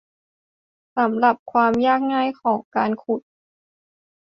สำหรับความยากง่ายของการขุด